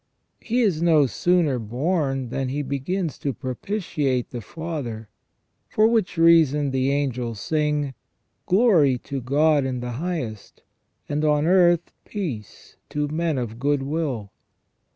He is no sooner born than He begins to propitiate the Father ; for which reason the angels sing :" Glory to God in the highest, and on earth peace to men of good will